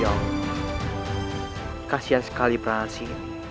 yong kasihan sekali perasaan ini